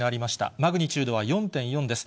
マグニチュードは４．４です。